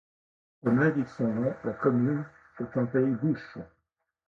Comme l'indique son nom, la commune est en pays d'Ouche.